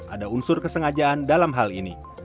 ada unsur kesengajaan dalam hal ini